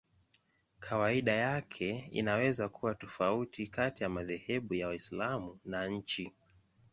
Kawaida yake inaweza kuwa tofauti kati ya madhehebu ya Waislamu na nchi.